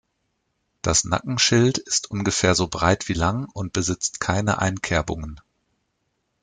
Das Nackenschild ist ungefähr so breit wie lang und besitzt keine Einkerbungen.